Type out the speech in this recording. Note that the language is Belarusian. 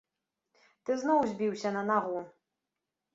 Ты зноў узбіўся на нагу!